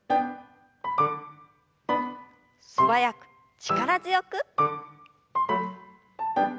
素早く力強く。